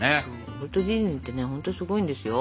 ウォルト・ディズニーってねほんとすごいんですよ。